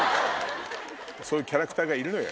そういうキャラクターがいるのよ